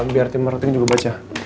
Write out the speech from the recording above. biar tim marketing juga baca